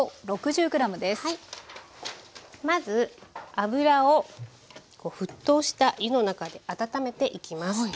まず油を沸騰した湯の中で温めていきます。